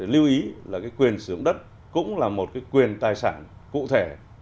lưu ý là quyền sử dụng đất cũng là một quyền tài sản cụ thể